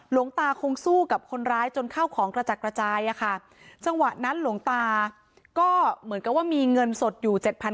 หลวงตาคงสู้กับคนร้ายจนเข้าของกระจัดกระจายอะค่ะจังหวะนั้นหลวงตาก็เหมือนกับว่ามีเงินสดอยู่๗๐๐